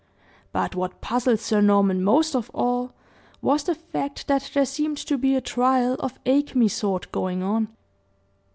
But what puzzled Sir Norman most of all was, the fact that there seemed to be a trial of acme sort going on.